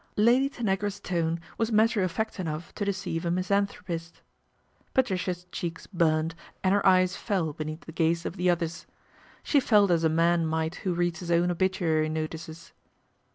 '* Lady Tanagra's tone was matter of fact enough to deceive a misanthropist. Patricia's cheeks burned and her eyes fell beneath the gaze of the others. She felt as a man might who reads his own obituary notices.